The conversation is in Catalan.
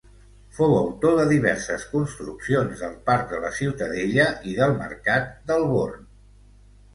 Fou autor de diverses construccions del Parc de la Ciutadella, i del Mercat del Born.